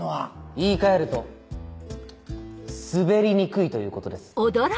言い換えると滑りにくいということです。